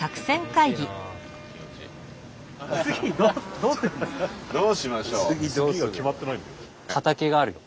どうしましょう？